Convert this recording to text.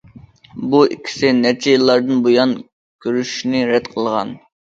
بۇ ئىككىسى نەچچە يىللاردىن بۇيان كۆرۈشۈشنى رەت قىلغان.